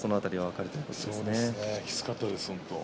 きつかったです。